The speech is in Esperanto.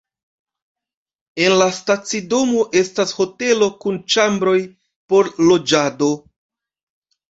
En la stacidomo estas hotelo kun ĉambroj por loĝado.